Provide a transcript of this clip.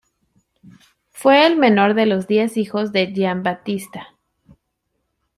Fue el menor de los diez hijos de Giambattista.